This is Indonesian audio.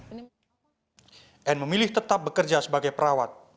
anne memilih tetap bekerja sebagai perawat